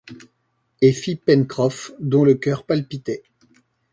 Et fit Pencroff, dont le cœur palpitait